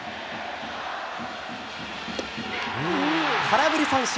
空振り三振。